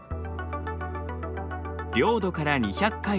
領土から２００海里